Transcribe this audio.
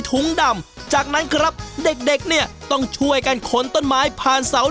ถุงดำจากนั้นครับเด็กเด็กเนี่ยต้องช่วยกันขนต้นไม้ผ่านเสา